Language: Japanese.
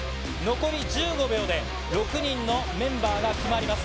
残り１５秒で、６人のメンバーが決まります。